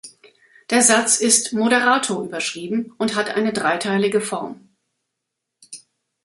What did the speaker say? Der Satz ist „Moderato“ überschrieben und hat eine dreiteilige Form.